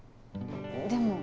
でも。